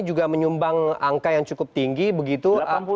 juga menyumbang angka yang cukup tinggi begitu